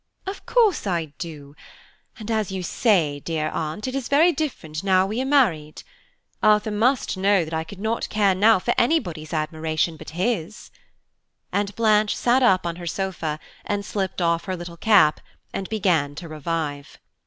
"Of course I do, and as you say, dear Aunt, it is very different now we are married. Arthur must know that I could not care now for anybody's admiration but his," and Blanche sat up on her sofa, and slipped off her little cap, and began to revive.